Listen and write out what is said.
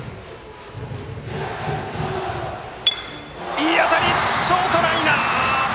いい当たりだがショートライナー！